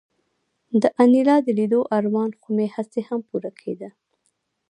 د انیلا د لیدو ارمان خو مې هسې هم پوره کېده